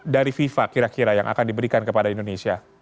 dari fifa kira kira yang akan diberikan kepada indonesia